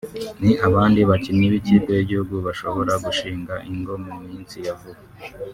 ni abandi bakinnyi b’ikipe y’igihugu bashobora gushinga ingo mu minsi ya vuba